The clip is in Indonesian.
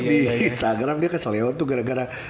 di instagram dia ke seleo tuh gara gara